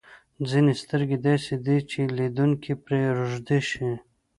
ځینې سترګې داسې دي چې لیدونکی پرې روږدی شي.